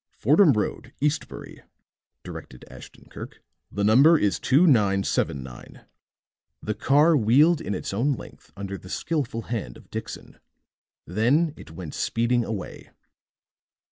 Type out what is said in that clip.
"Fordham Road, Eastbury," directed Ashton Kirk. "The number is 2979." The car wheeled in its own length under the skilful hand of Dixon; then it went speeding away.